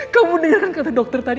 kamu denger kan kata dokter tadi